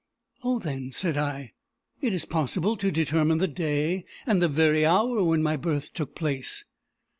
"Oh, then," said I, "it is possible to determine the day and the very hour when my birth took place."